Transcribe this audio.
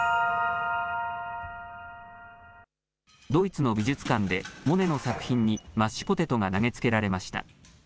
ドイツの美術館でモネの作品にマッシュポテトが投げつけられました。